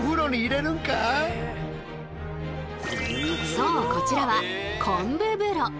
そうこちらは昆布風呂。